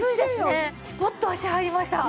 スポッと足入りました。